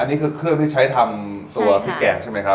อันนี้คือเครื่องที่ใช้ทำตัวพริกแกงใช่ไหมครับ